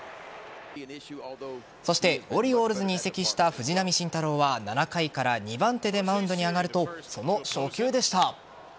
そして、オリオールズに移籍した藤浪晋太郎は７回から２番手でマウンドに上がるとその初球でした。